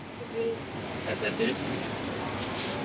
ちゃんとやってる？